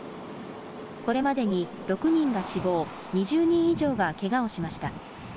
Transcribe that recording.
これまでに６人が死亡し２０人以上がけがをしました。